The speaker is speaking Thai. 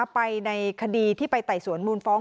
ไปในขเดียที่ไปต่ายสวนมูลฟ้อง